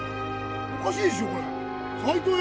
おかしいでしょ斉藤よ？